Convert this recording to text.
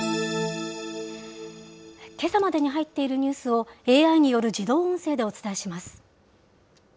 けさまでに入っているニュースをＡＩによる自動音声でお伝えします。